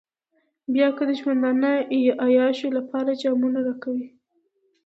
بيا که د ژوندانه عياشيو لپاره جامونه راکوئ.